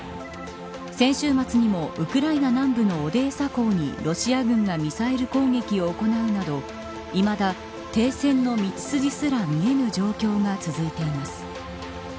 先週末にもウクライナ南部のオデーサ港にロシア軍がミサイル攻撃を行うなどいまだ停戦の道筋すら見えぬ状況が続いています。